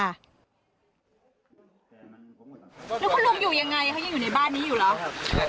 แล้วคุณลุงอยู่ยังไงเขายังอยู่ในบ้านนี้อยู่เหรอ